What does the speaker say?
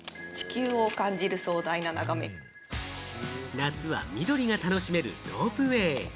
夏は緑が楽しめるロープウェー。